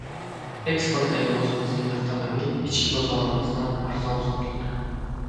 Eksportdagi o'zimizning avtomobil ichki bozorimizdan arzon sotildi.